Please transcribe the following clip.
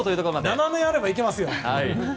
７年あればいけます。